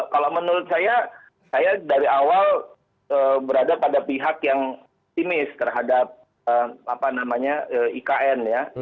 kalau menurut saya saya dari awal berada pada pihak yang timis terhadap ikn ya